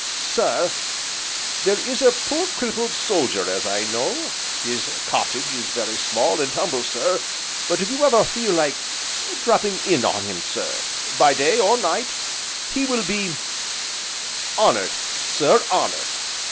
Sir, there is a poor crippled soldier as I know, My cottage is very small, and humble sir, but if you ever feel like dropping in on him, sir, by day or night, he will be honoured, sir, honoured!